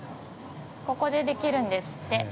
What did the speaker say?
ここでできるんですって。